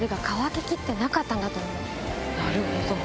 なるほど。